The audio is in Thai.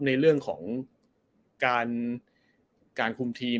ในเรื่องของการคุมทีม